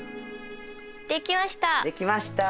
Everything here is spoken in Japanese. できました！